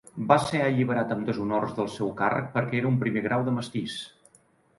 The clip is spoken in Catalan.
Va ser alliberat amb deshonors del seu càrrec perquè era un primer grau de mestís.